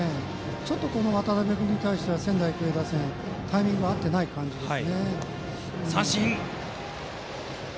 ちょっと渡邉君に対しては仙台育英打線がタイミング合ってない感じです。